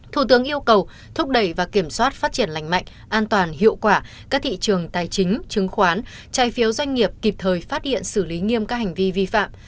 thủ tướng yêu cầu thúc đẩy và kiểm soát phát triển lành mạnh an toàn hiệu quả các thị trường tài chính chứng khoán trái phiếu doanh nghiệp kịp thời phát hiện xử lý nghiêm các hành vi vi phạm